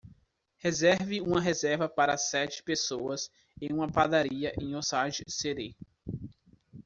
Reserve uma reserva para sete pessoas em uma padaria em Osage City